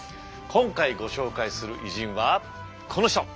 今回ご紹介する偉人はこの人。